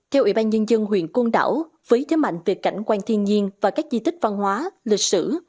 theo ủy ban nhân dân huyện côn đảo với thế mạnh về cảnh quan thiên nhiên và các di tích văn hóa lịch sử